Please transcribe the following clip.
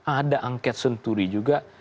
ada angket senturi juga